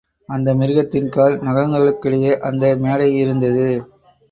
அந்த மிருகத்தின் கால் நகங்களுக்கிடையே அந்த மேடையிருந்தது.